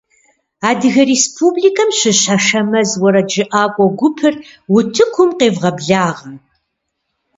Адыгэ республикэм щыщ «Ашэмэз» уэрэджыӏакӏуэ гупыр утыкум къевгъэблагъэ!